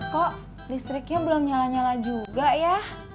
kok listriknya belum nyala nyala juga ya